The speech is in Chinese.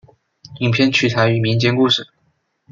影片取材于民间故事。